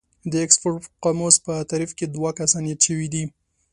د اکسفورډ قاموس په تعريف کې دوه کسان ياد شوي دي.